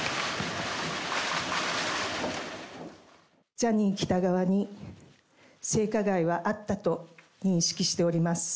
ジャニー喜多川に性加害はあったと認識しております。